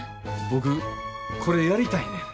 僕これやりたいねん。